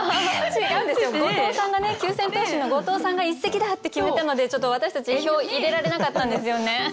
四千頭身の後藤さんが「一席だ！」って決めたのでちょっと私たち票を入れられなかったんですよね。